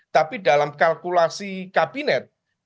tapi dalam kalkulasi kabinet